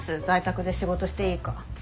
在宅で仕事していいか。